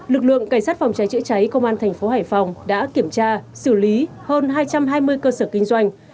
lực lượng cảnh sát phòng cháy trịa cháy công an tp hải phòng đã kiểm tra xử lý hơn hai trăm hai mươi cơ sở kinh doanh